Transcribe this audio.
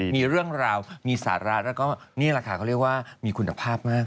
มีเรื่องราวมีสาระแล้วก็นี่แหละค่ะเขาเรียกว่ามีคุณภาพมาก